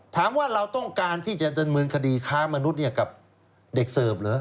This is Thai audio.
เราต้องการที่จะดำเนินคดีค้ามนุษย์กับเด็กเสิร์ฟเหรอ